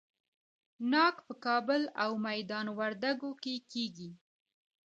ناک په کابل او میدان وردګو کې کیږي.